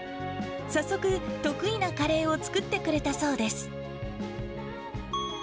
早速、得意なカレーを作ってくれたそうです。